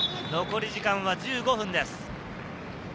残り時間は１５分です。